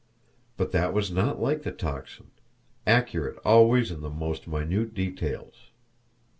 But that was not like the Tocsin, accurate always in the most minute details.